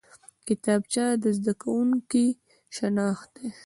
کتابچه د زده کوونکي شناخت دی